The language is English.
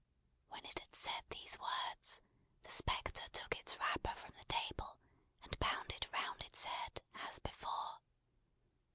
When it had said these words, the spectre took its wrapper from the table, and bound it round its head, as before.